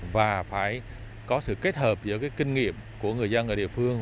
và phải có sự kết hợp giữa kinh nghiệm của người dân ở địa phương